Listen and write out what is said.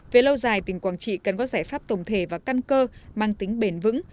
về lâu dài tỉnh quảng trị cần có giải pháp tổng thể và căn cơ mang tính bền vững